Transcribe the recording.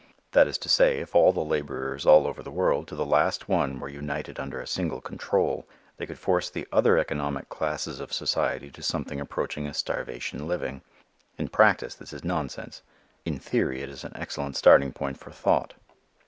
That is to say, if all the laborers all over the world, to the last one, were united under a single control they could force the other economic classes of society to something approaching a starvation living. In practice this is nonsense. In theory it is an excellent starting point for thought.